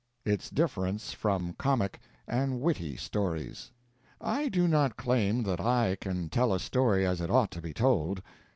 Its Difference from Comic and Witty Stories I do not claim that I can tell a story as it ought to be told.